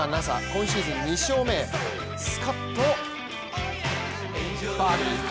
今シーズン２勝目へスカッとバーディー。